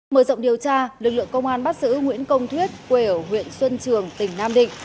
mở rộng điều tra lực lượng công an bắt giữ nguyễn công thuyết quê ở huyện xuân trường tỉnh nam định